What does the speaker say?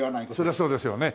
そりゃそうですよね。